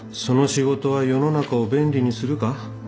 その仕事は世の中を便利にするか？